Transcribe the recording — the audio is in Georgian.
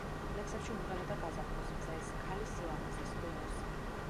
ლექსებში უმღეროდა გაზაფხულს, მზეს, ქალის სილამაზეს, ღვინოს.